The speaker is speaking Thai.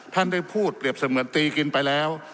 ท่านได้พูดเปรียบเสมือนตีกินไปแล้ว